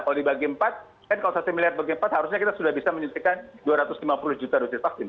kalau dibagi empat kan kalau satu miliar bagi empat harusnya kita sudah bisa menyuntikkan dua ratus lima puluh juta dosis vaksin